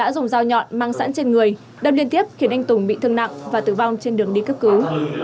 sẵn trên người đâm liên tiếp khiến anh tùng bị thương nặng và tử vong trên đường đi cấp cứu